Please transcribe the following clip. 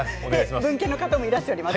分家の方もいらっしゃいます。